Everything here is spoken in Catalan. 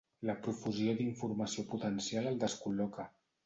La profusió d'informació potencial el descol·loca.